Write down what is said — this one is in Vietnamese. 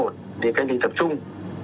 cách ly tập trung